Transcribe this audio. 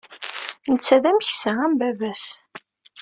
Netta d ameksa am baba-s.